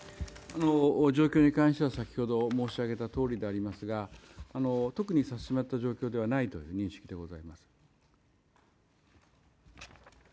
状況に関しては先ほど申し上げたとおりでありますが特に差し迫った状況ではないという認識でございます。